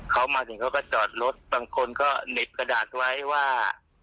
เขามาถึงเขาก็จอดรถบางคนก็เหน็บกระดาษไว้ว่า